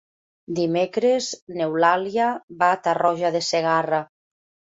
Dimecres n'Eulàlia va a Tarroja de Segarra.